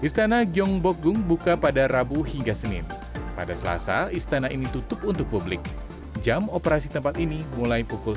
jangan lupa untuk berlangganan di instagram dan facebook